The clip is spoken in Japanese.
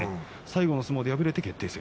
最後の相撲で敗れて決定戦。